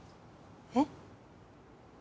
えっ？